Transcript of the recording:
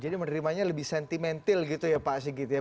jadi menerimanya lebih sentimental gitu ya pak sigit ya